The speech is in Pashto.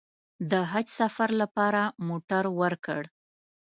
د حج سفر لپاره موټر ورکړ.